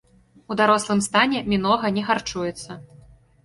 У дарослым стане мінога не харчуецца.